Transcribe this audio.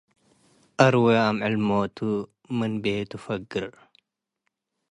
አርዌ አምዕል ሞቱ ምን ቤቱ ፈግር።